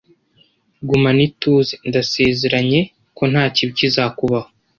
Gumana ituze. Ndasezeranye ko nta kibi kizakubaho.